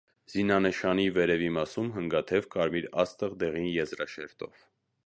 Զինանշանի վերևի մասում հնգաթև կարմիր աստղ դեղին եզրաշերտով։